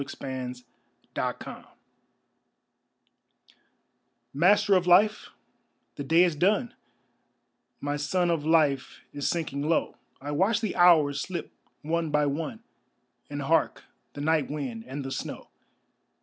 The Last Prayer Master of life, the day is done; My sun of life is sinking low; I watch the hours slip one by one And hark the night wind and the snow.